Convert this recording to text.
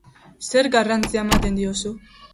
Zer garrantzi ematen diozu?